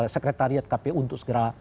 sekretariat kpu untuk segera